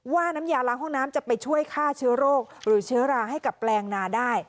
น้ำยาล้างห้องน้ำจะไปช่วยฆ่าเชื้อโรคหรือเชื้อราให้กับแปลงนาได้